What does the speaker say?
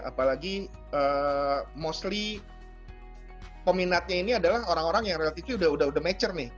apalagi mostly peminatnya ini adalah orang orang yang relatif sudah sudah matcher nih